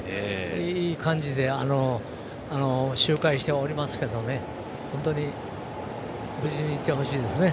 いい感じで周回しておりますけど本当に無事にいってほしいですね。